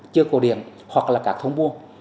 chưa có điện hoặc là các thông buôn